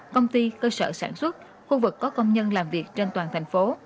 công ty cơ sở sản xuất khu vực có công nhân làm việc trên toàn thành phố